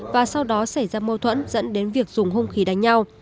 và sau đó xảy ra mâu thuẫn dẫn đến việc dùng hung khí đánh nhau